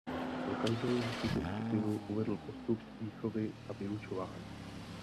Pro každou tuto skupinu uvedl postup výchovy a vyučování.